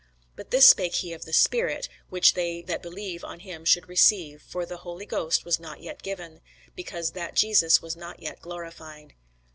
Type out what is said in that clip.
(But this spake he of the Spirit, which they that believe on him should receive: for the Holy Ghost was not yet given; because that Jesus was not yet glorified.)